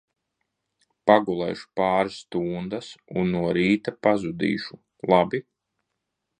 Pagulēšu pāris stundas, un no rīta pazudīšu, labi?